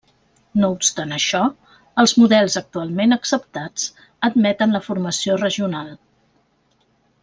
No obstant això, els models actualment acceptats admeten la formació regional.